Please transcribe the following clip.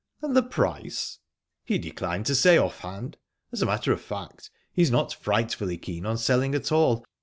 "And the price?" "He declined to say off hand. As a matter of fact, he's not frightfully keen on selling at all.